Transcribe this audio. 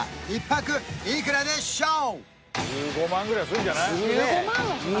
１泊いくらでしょう？